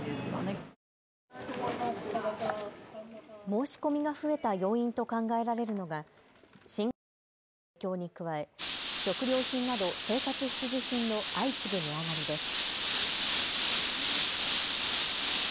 申し込みが増えた要因と考えられるのが新型コロナの影響に加え食料品など生活必需品の相次ぐ値上がりです。